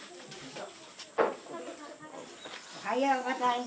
おはようございます。